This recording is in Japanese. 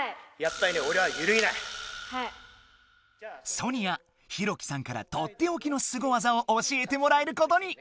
ソニアＨＩＲＯＫＩさんからとっておきのすごわざを教えてもらえることに！